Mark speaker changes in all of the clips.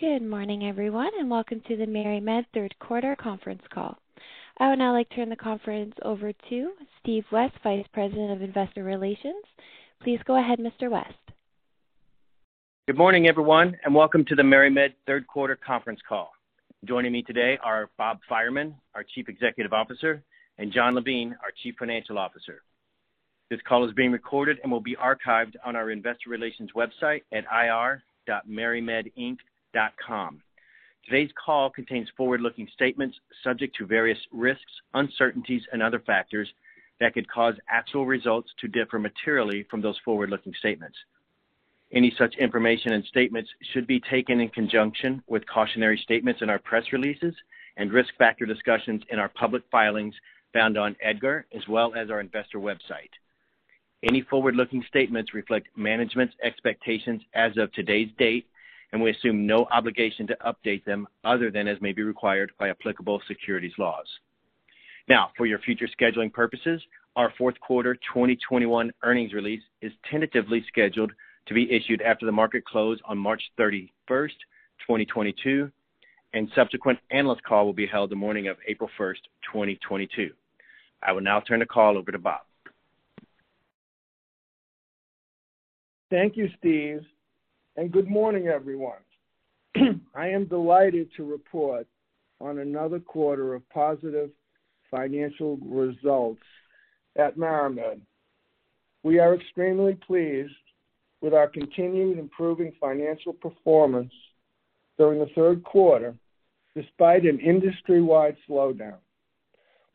Speaker 1: Good morning, everyone, and welcome to the MariMed third quarter conference call. I would now like to turn the conference over to Steve West, Vice President of Investor Relations. Please go ahead, Mr. West.
Speaker 2: Good morning, everyone, and welcome to the MariMed third quarter conference call. Joining me today are Bob Fireman, our Chief Executive Officer, and Jon Levine, our Chief Financial Officer. This call is being recorded and will be archived on our investor relations website at ir.marimedinc.com. Today's call contains forward-looking statements subject to various risks, uncertainties, and other factors that could cause actual results to differ materially from those forward-looking statements. Any such information and statements should be taken in conjunction with cautionary statements in our press releases and risk factor discussions in our public filings found on EDGAR, as well as our investor website. Any forward-looking statements reflect management's expectations as of today's date, and we assume no obligation to update them other than as may be required by applicable securities laws. Now, for your future scheduling purposes, our fourth quarter 2021 earnings release is tentatively scheduled to be issued after the market close on March 31, 2022, and subsequent analyst call will be held the morning of April 1, 2022. I will now turn the call over to Bob.
Speaker 3: Thank you, Steve, and good morning, everyone. I am delighted to report on another quarter of positive financial results at MariMed. We are extremely pleased with our continued improving financial performance during the third quarter, despite an industry-wide slowdown.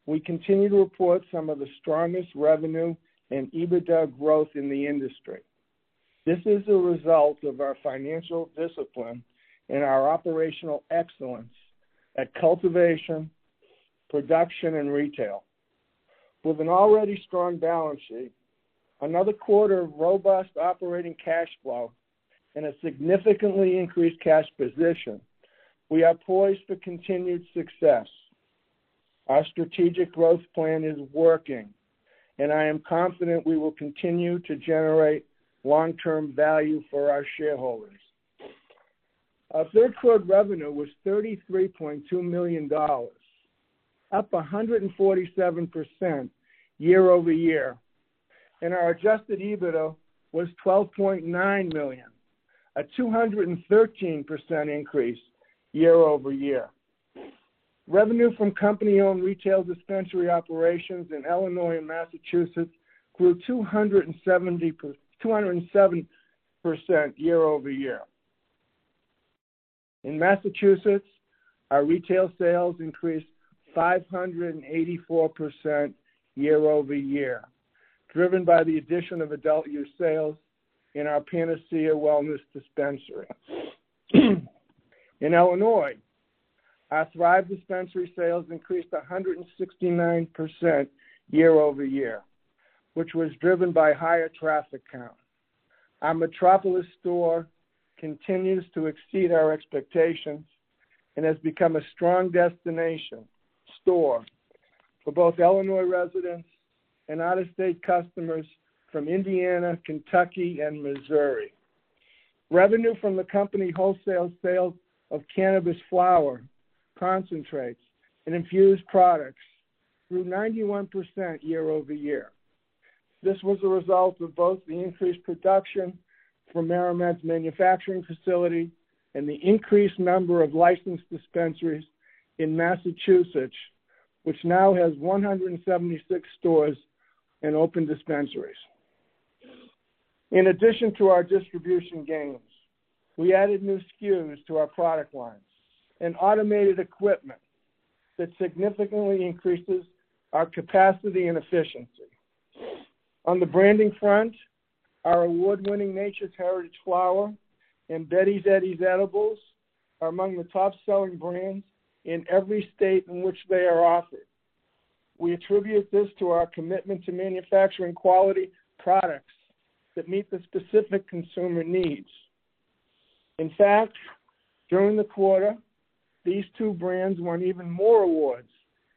Speaker 3: We continue to report some of the strongest revenue and EBITDA growth in the industry. This is a result of our financial discipline and our operational excellence at cultivation, production, and retail. With an already strong balance sheet, another quarter of robust operating cash flow and a significantly increased cash position, we are poised for continued success. Our strategic growth plan is working, and I am confident we will continue to generate long-term value for our shareholders. Our third quarter revenue was $33.2 million, up 147% year-over-year, and our adjusted EBITDA was $12.9 million, a 213% increase year-over-year. Revenue from company-owned retail dispensary operations in Illinois and Massachusetts grew 207% year-over-year. In Massachusetts, our retail sales increased 584% year-over-year, driven by the addition of adult-use sales in our Panacea Wellness Dispensary. In Illinois, our Thrive Dispensary sales increased 169% year-over-year, which was driven by higher traffic count. Our Metropolis store continues to exceed our expectations and has become a strong destination store for both Illinois residents and out-of-state customers from Indiana, Kentucky, and Missouri. Revenue from the company wholesale sales of cannabis flower, concentrates, and infused products grew 91% year-over-year. This was a result of both the increased production from MariMed's manufacturing facility and the increased number of licensed dispensaries in Massachusetts, which now has 176 stores and open dispensaries. In addition to our distribution gains, we added new SKUs to our product lines and automated equipment that significantly increases our capacity and efficiency. On the branding front, our award-winning Nature's Heritage flower and Betty's Eddies edibles are among the top-selling brands in every state in which they are offered. We attribute this to our commitment to manufacturing quality products that meet the specific consumer needs. In fact, during the quarter, these two brands won even more awards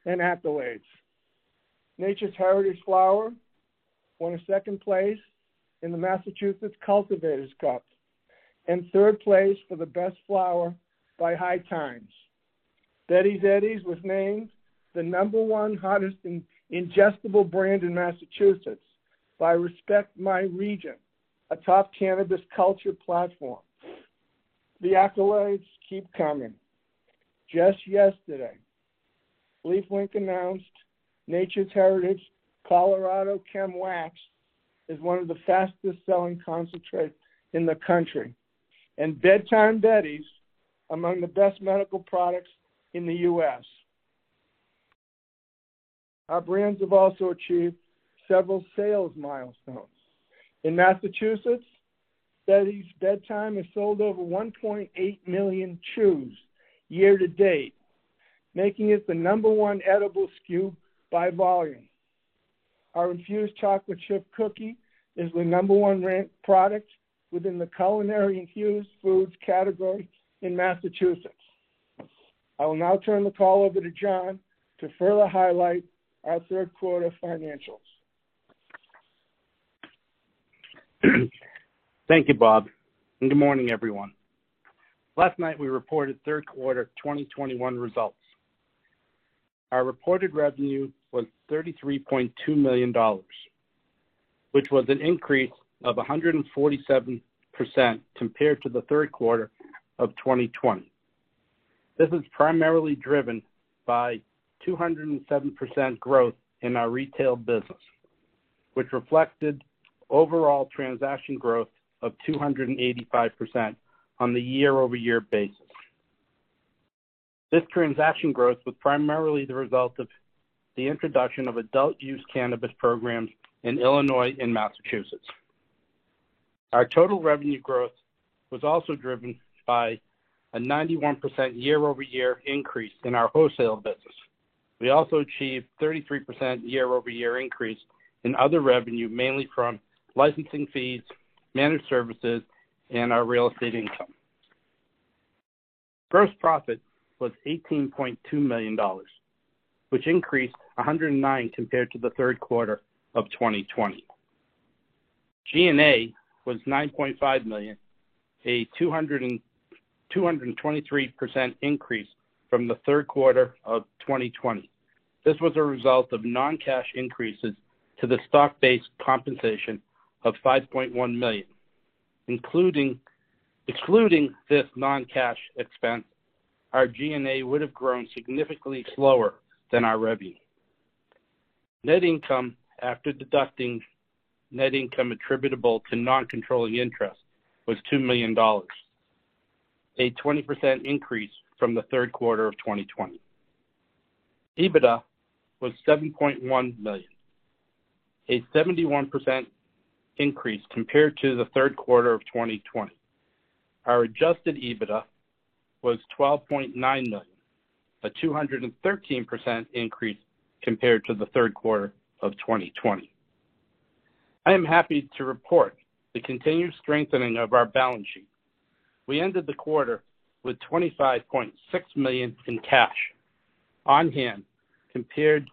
Speaker 3: and accolades. Nature's Heritage Flower won second place in the Massachusetts Cultivators Cup and third place for the best flower by High Times. Betty's Eddies was named the number one hottest in-ingestible brand in Massachusetts by Respect My Region, a top cannabis culture platform. The accolades keep coming. Just yesterday, LeafLink announced Nature's Heritage Colorado Chem Wax is one of the fastest-selling concentrates in the country, and Bedtime Betty's among the best medical products in the U.S. Our brands have also achieved several sales milestones. In Massachusetts, Bedtime Betty's has sold over 1.8 million chews year to date, making it the number one edible SKU by volume. Our infused chocolate chip cookie is the number one-ranked product within the culinary infused foods category in Massachusetts. I will now turn the call over to Jon to further highlight our third quarter financials.
Speaker 4: Thank you, Bob, and good morning, everyone. Last night, we reported third quarter 2021 results. Our reported revenue was $33.2 million, which was an increase of 147% compared to the third quarter of 2020. This is primarily driven by 207% growth in our retail business, which reflected overall transaction growth of 285% on the year-over-year basis. This transaction growth was primarily the result of the introduction of adult use cannabis programs in Illinois and Massachusetts. Our total revenue growth was also driven by a 91% year-over-year increase in our wholesale business. We also achieved 33% year-over-year increase in other revenue, mainly from licensing fees, managed services, and our real estate income. Gross profit was $18.2 million, which increased 109% compared to the third quarter of 2020. G&A was $9.5 million, a 223% increase from the third quarter of 2020. This was a result of non-cash increases to the stock-based compensation of $5.1 million. Excluding this non-cash expense, our G&A would have grown significantly slower than our revenue. Net income, after deducting net income attributable to non-controlling interest, was $2 million, a 20% increase from the third quarter of 2020. EBITDA was $7.1 million, a 71% increase compared to the third quarter of 2020. Our adjusted EBITDA was $12.9 million, a 213% increase compared to the third quarter of 2020. I am happy to report the continued strengthening of our balance sheet. We ended the quarter with $25.6 million in cash on hand compared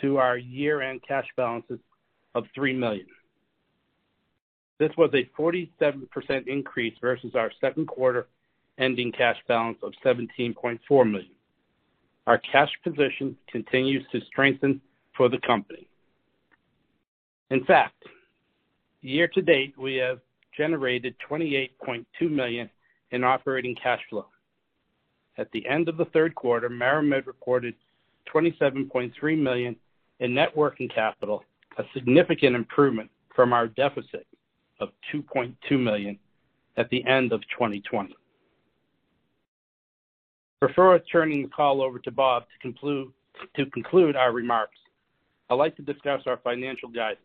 Speaker 4: to our year-end cash balances of $3 million. This was a 47% increase versus our second quarter ending cash balance of $17.4 million. Our cash position continues to strengthen for the company. In fact, year to date, we have generated $28.2 million in operating cash flow. At the end of the third quarter, MariMed recorded $27.3 million in net working capital, a significant improvement from our deficit of $2.2 million at the end of 2020. Before turning the call over to Bob to conclude our remarks, I'd like to discuss our financial guidance.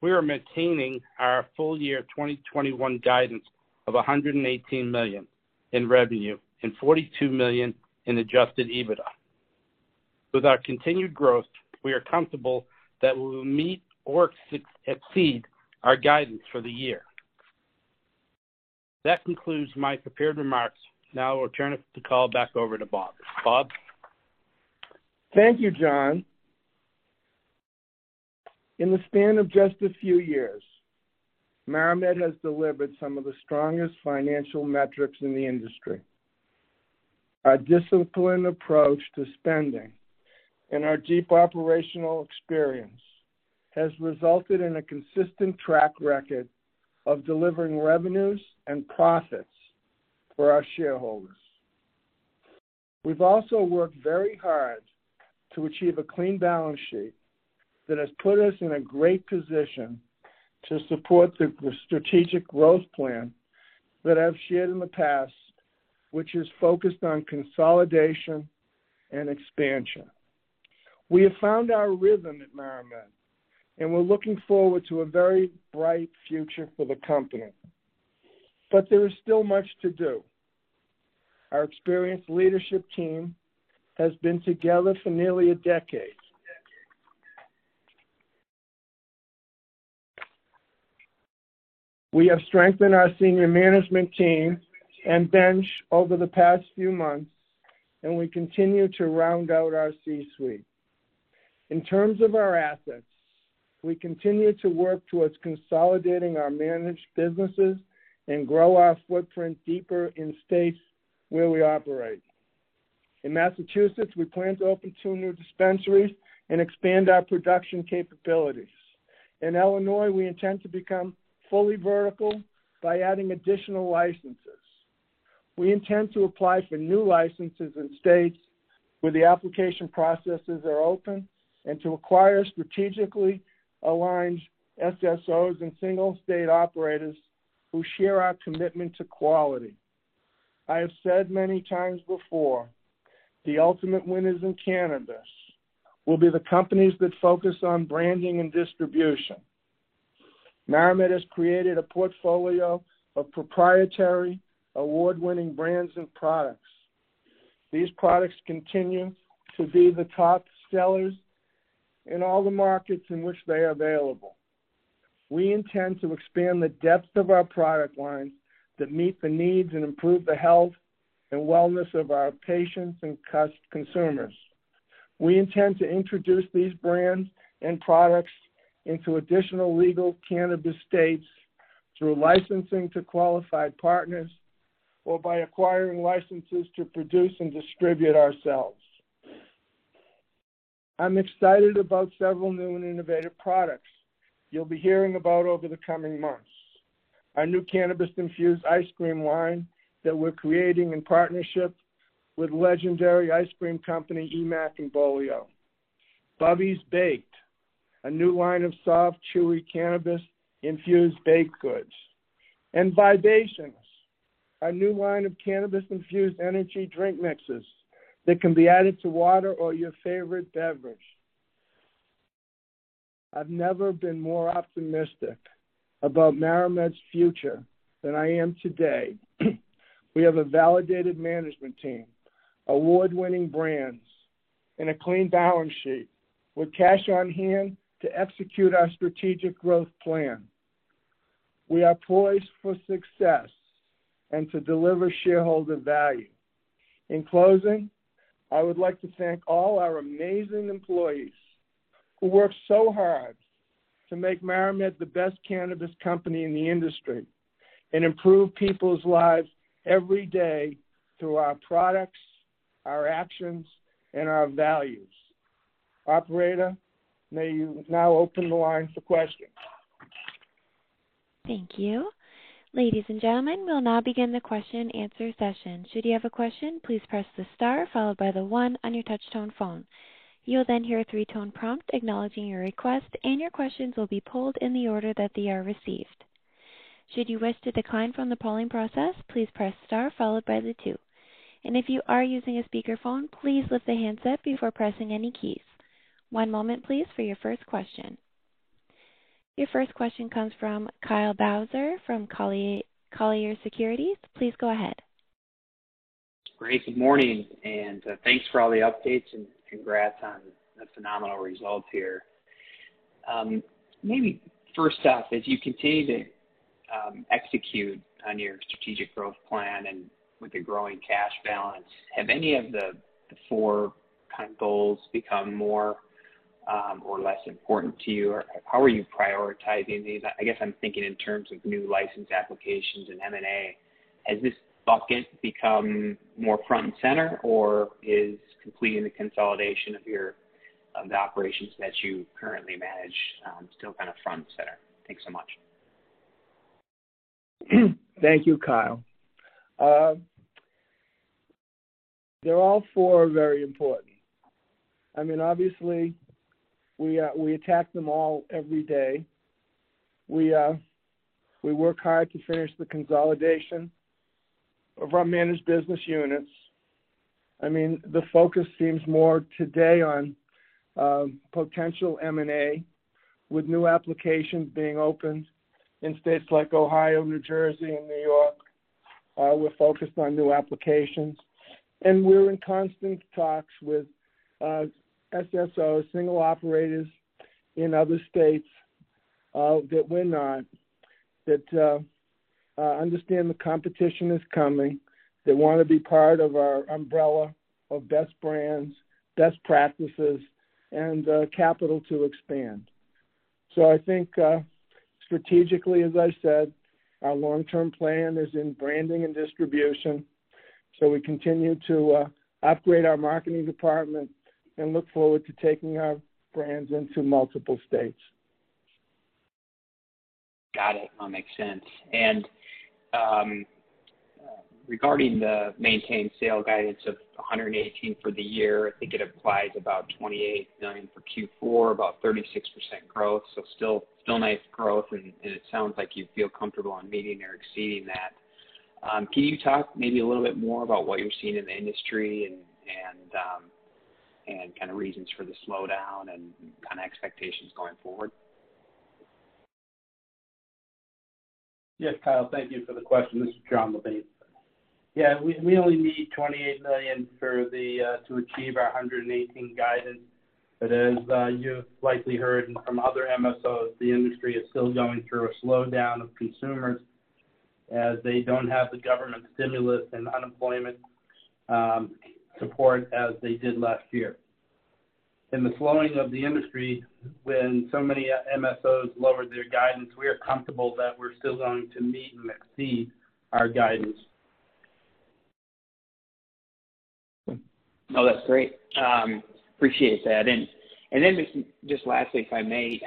Speaker 4: We are maintaining our full year 2021 guidance of $118 million in revenue and $42 million in adjusted EBITDA. With our continued growth, we are comfortable that we will meet or exceed our guidance for the year. That concludes my prepared remarks. Now I'll turn the call back over to Bob. Bob?
Speaker 3: Thank you, Jon. In the span of just a few years, MariMed has delivered some of the strongest financial metrics in the industry. Our disciplined approach to spending and our deep operational experience has resulted in a consistent track record of delivering revenues and profits for our shareholders. We've also worked very hard to achieve a clean balance sheet that has put us in a great position to support the strategic growth plan that I've shared in the past, which is focused on consolidation and expansion. We have found our rhythm at MariMed, and we're looking forward to a very bright future for the company. There is still much to do. Our experienced leadership team has been together for nearly a decade. We have strengthened our senior management team and bench over the past few months, and we continue to round out our C-suite. In terms of our assets, we continue to work towards consolidating our managed businesses and grow our footprint deeper in states where we operate. In Massachusetts, we plan to open two new dispensaries and expand our production capabilities. In Illinois, we intend to become fully vertical by adding additional licenses. We intend to apply for new licenses in states where the application processes are open and to acquire strategically aligned SSOs and single state operators who share our commitment to quality. I have said many times before, the ultimate winners in cannabis will be the companies that focus on branding and distribution. MariMed has created a portfolio of proprietary award-winning brands and products. These products continue to be the top sellers in all the markets in which they are available. We intend to expand the depth of our product lines that meet the needs and improve the health and wellness of our patients and consumers. We intend to introduce these brands and products into additional legal cannabis states through licensing to qualified partners or by acquiring licenses to produce and distribute ourselves. I'm excited about several new and innovative products you'll be hearing about over the coming months. Our new cannabis-infused ice cream line that we're creating in partnership with legendary ice cream company Emack & Bolio's. Bubby's Baked, a new line of soft, chewy cannabis-infused baked goods. Vibations, our new line of cannabis-infused energy drink mixes that can be added to water or your favorite beverage. I've never been more optimistic about MariMed's future than I am today. We have a validated management team, award-winning brands, and a clean balance sheet with cash on hand to execute our strategic growth plan. We are poised for success and to deliver shareholder value. In closing, I would like to thank all our amazing employees who work so hard to make MariMed the best cannabis company in the industry and improve people's lives every day through our products, our actions, and our values. Operator, may you now open the line for questions.
Speaker 1: Thank you. Ladies and gentlemen, we'll now begin the question-answer session. Should you have a question, please press the star followed by the one on your touch tone phone. You will then hear a three-tone prompt acknowledging your request, and your questions will be pulled in the order that they are received. Should you wish to decline from the polling process, please press star followed by the two. If you are using a speakerphone, please lift the handset before pressing any keys. One moment, please, for your first question. Your first question comes from Kyle Bauser from Colliers Securities. Please go ahead.
Speaker 5: Great. Good morning, and thanks for all the updates and congrats on the phenomenal results here. Maybe first off, as you continue to execute on your strategic growth plan and with the growing cash balance, have any of the four kind of goals become more or less important to you? How are you prioritizing these? I guess I'm thinking in terms of new license applications and M&A. Has this bucket become more front and center, or is completing the consolidation of the operations that you currently manage still kind of front and center? Thanks so much.
Speaker 3: Thank you, Kyle. They're all four very important. I mean, obviously, we attack them all every day. We work hard to finish the consolidation of our managed business units. I mean, the focus seems more today on potential M&A with new applications being opened in states like Ohio, New Jersey, and New York. We're focused on new applications, and we're in constant talks with SSO, single operators in other states that understand the competition is coming. They want to be part of our umbrella of best brands, best practices, and capital to expand. I think, strategically, as I said, our long-term plan is in branding and distribution. We continue to upgrade our marketing department and look forward to taking our brands into multiple states.
Speaker 5: Got it. That makes sense. Regarding the maintained sales guidance of $118 million for the year, I think it implies about $28 million for Q4, about 36% growth. Still nice growth, and it sounds like you feel comfortable on meeting or exceeding that. Can you talk maybe a little bit more about what you're seeing in the industry and kind of reasons for the slowdown and kind of expectations going forward?
Speaker 4: Yes, Kyle, thank you for the question. This is Jon Levine. Yeah, we only need $28 million for the to achieve our $118 million guidance. But as you've likely heard from other MSOs, the industry is still going through a slowdown of consumers as they don't have the government stimulus and unemployment support as they did last year. In the slowing of the industry, when so many MSOs lowered their guidance, we are comfortable that we're still going to meet and exceed our guidance.
Speaker 5: Oh, that's great. I appreciate that. Just lastly, if I may,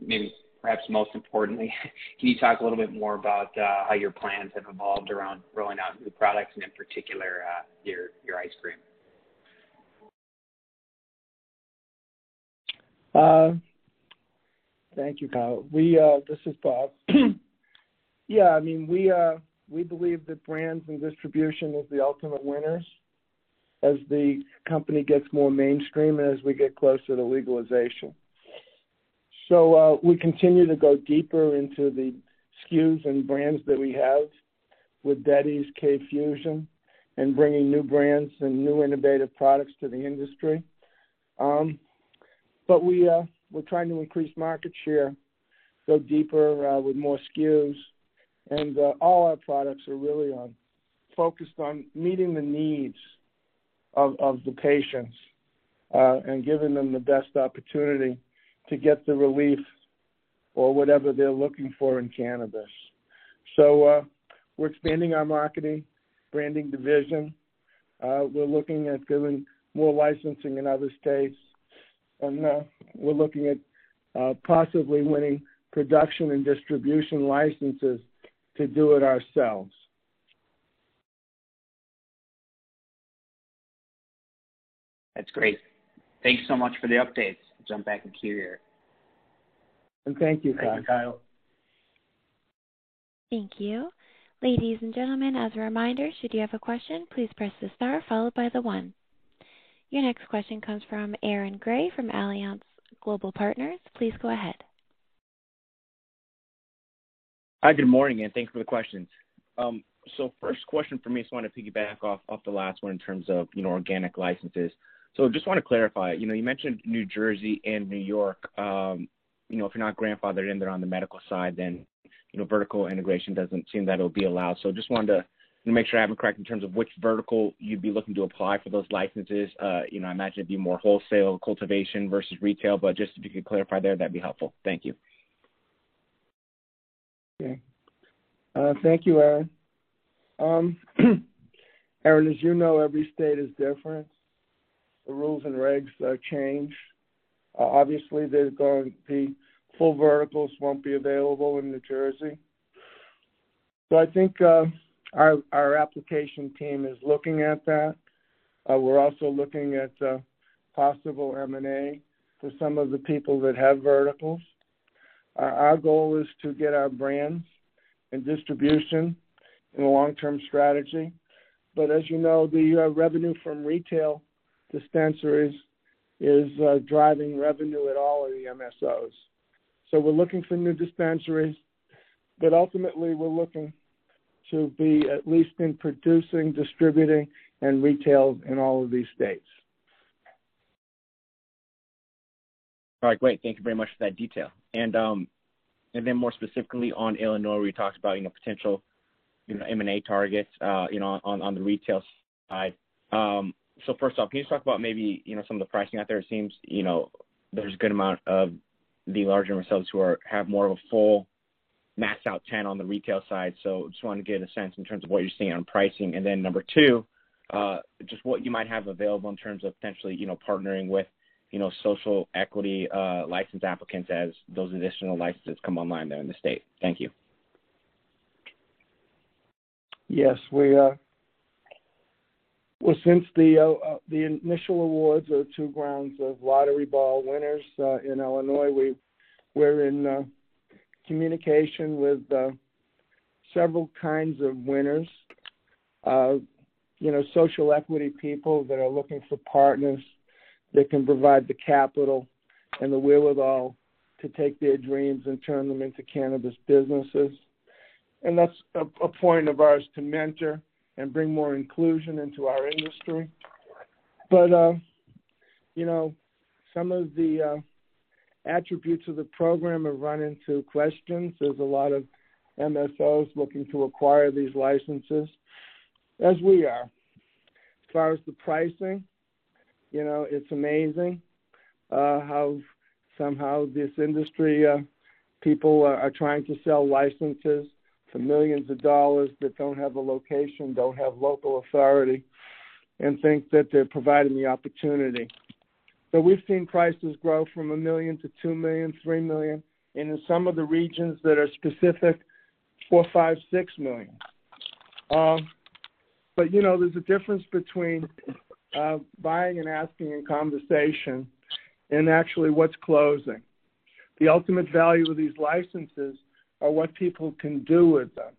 Speaker 5: maybe perhaps most importantly, can you talk a little bit more about how your plans have evolved around rolling out new products and in particular, your ice cream?
Speaker 3: Thank you, Kyle. This is Bob. Yeah, I mean, we believe that brands and distribution is the ultimate winners as the company gets more mainstream as we get closer to legalization. We continue to go deeper into the SKUs and brands that we have with Betty's, Kalm Fusion, and bringing new brands and new innovative products to the industry. We, we're trying to increase market share, go deeper, with more SKUs. All our products are really focused on meeting the needs of the patients and giving them the best opportunity to get the relief or whatever they're looking for in cannabis. We're expanding our marketing, branding division. We're looking at doing more licensing in other states, and we're looking at possibly winning production and distribution licenses to do it ourselves.
Speaker 5: That's great. Thank you so much for the updates. I'll jump back in queue here.
Speaker 3: Well, thank you, Kyle.
Speaker 5: Thank you.
Speaker 1: Thank you. Ladies and gentlemen, as a reminder, should you have a question, please press the star followed by the one. Your next question comes from Aaron Grey from Alliance Global Partners. Please go ahead.
Speaker 6: Hi, good morning, and thanks for the questions. First question from me, just wanna piggyback off the last one in terms of, you know, organic licenses. Just wanna clarify, you know, you mentioned New Jersey and New York, you know, if you're not grandfathered in there on the medical side, then, you know, vertical integration doesn't seem that it'll be allowed. Just wanted to make sure I have it correct in terms of which vertical you'd be looking to apply for those licenses. You know, I imagine it'd be more wholesale cultivation versus retail, but just if you could clarify there, that'd be helpful. Thank you.
Speaker 3: Okay. Thank you, Aaron. Aaron, as you know, every state is different. The rules and regs change. Obviously, full verticals won't be available in New Jersey. So I think our application team is looking at that. We're also looking at possible M&A for some of the people that have verticals. Our goal is to get our brands and distribution in the long-term strategy. But as you know, the revenue from retail dispensaries is driving revenue at all of the MSOs. So we're looking for new dispensaries, but ultimately we're looking to be at least in producing, distributing, and retail in all of these states.
Speaker 6: All right. Great. Thank you very much for that detail. Then more specifically on Illinois, where you talked about, you know, potential, you know, M&A targets, you know, on the retail side. First off, can you just talk about maybe, you know, some of the pricing out there? It seems, you know, there's a good amount of the larger MSOs who have more of a full maxed-out 10 on the retail side. Just wanted to get a sense in terms of what you're seeing on pricing. Then number 2, just what you might have available in terms of potentially, you know, partnering with, you know, social equity license applicants as those additional licenses come online there in the state. Thank you.
Speaker 3: Yes, well, since the initial awards or two rounds of lottery ball winners in Illinois, we're in communication with several kinds of winners. You know, social equity people that are looking for partners that can provide the capital and the wherewithal to take their dreams and turn them into cannabis businesses. That's a point of ours to mentor and bring more inclusion into our industry. You know, some of the attributes of the program have run into questions. There's a lot of MSOs looking to acquire these licenses, as we are. As far as the pricing, you know, it's amazing how somehow this industry people are trying to sell licenses for millions of dollars that don't have a location, don't have local authority, and think that they're providing the opportunity. We've seen prices grow from $1 million-$2 million, $3 million, and in some of the regions that are specific, $4 million, $5 million, $6 million. You know, there's a difference between buying and asking in conversation and actually what's closing. The ultimate value of these licenses are what people can do with them.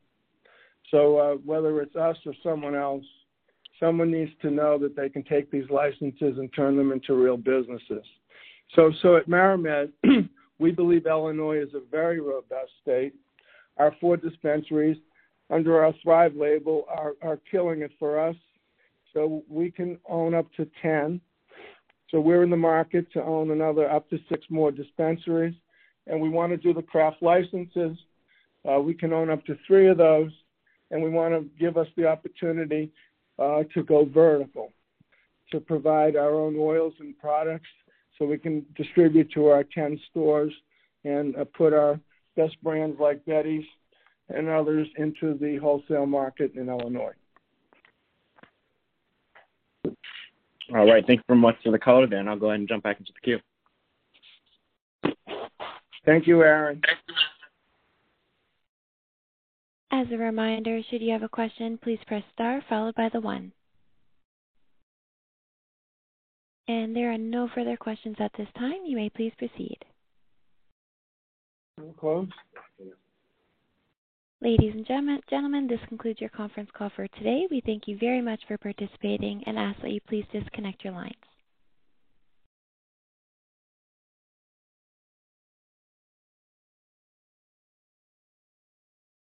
Speaker 3: Whether it's us or someone else, someone needs to know that they can take these licenses and turn them into real businesses. At MariMed, we believe Illinois is a very robust state. Our 4 dispensaries under our Thrive label are killing it for us, so we can own up to 10. We're in the market to own another up to 6 more dispensaries, and we wanna do the craft licenses. We can own up to 3 of those, and we wanna give us the opportunity to go vertical, to provide our own oils and products, so we can distribute to our 10 stores and put our best brands like Betty's and others into the wholesale market in Illinois.
Speaker 6: All right. Thank you very much for the color, Dan. I'll go ahead and jump back into the queue.
Speaker 3: Thank you, Aaron.
Speaker 6: Thanks.
Speaker 1: As a reminder, should you have a question, please press star followed by the one. There are no further questions at this time. You may please proceed.
Speaker 3: We'll close.
Speaker 1: Ladies and gentlemen, this concludes your conference call for today. We thank you very much for participating and ask that you please disconnect your lines.